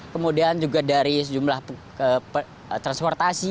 kemudian juga dari jumlah transportasi